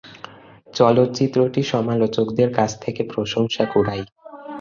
চলচ্চিত্রটি সমালোচকদের কাছ থেকে প্রশংসা কুড়ায়।